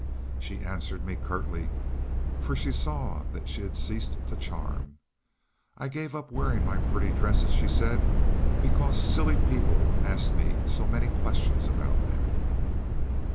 She answered me curtly, for she saw that she had ceased to charm. "I gave up wearing my pretty dresses," she said, "because silly people asked me so many questions about them."